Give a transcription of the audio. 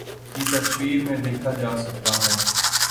کی تصاویر میں دیکھا جاسکتا ہے